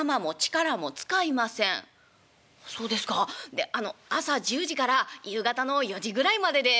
で朝１０時から夕方の４時ぐらいまでで」。